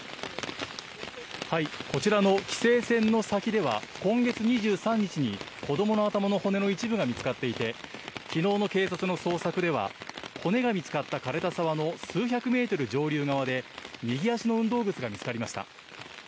こちらの規制線の先では、今月２３日に、子どもの頭の骨の一部が見つかっていて、きのうの警察の捜索では、骨が見つかったかれた沢の数百メートル上流側で右足の運動靴が見つかりました。